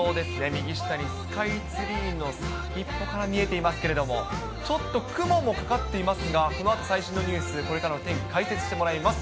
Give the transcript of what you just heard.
右下にスカイツリーの先っぽが見えていますけれども、ちょっと雲もかかっていますが、このあと最新のニュース、これからの天気、解説してもらいます。